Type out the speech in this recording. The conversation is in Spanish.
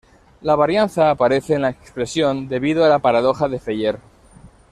La varianza aparece en la expresión debido a la Paradoja de Feller.